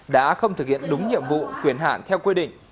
đã không thực hiện đúng nhiệm vụ quyền hạn theo quy định